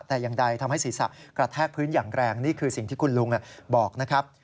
แต่อย่างใดทำให้ศีรษะกระแทกพื้นอย่างแรงนี่คือสิ่งที่คุณลุงบอกนะครับ